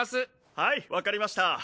はいわかりました。